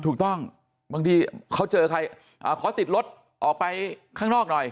บางทีเขาเจอใครขอติดรถออกไปข้างนอกหน่อย